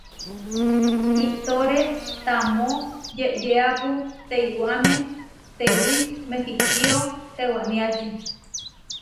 Iʼtóre tamó yeʼyeápu teiwamé tewí Mehikío tewaniači.